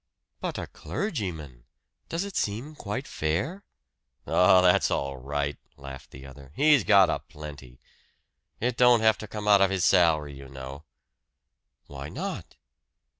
"But a clergyman! Does it seem quite fair?" "Oh, that's all right," laughed the other. "He's got a plenty. It don't have to come out of his salary, you know." "Why not?"